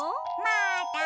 まだ！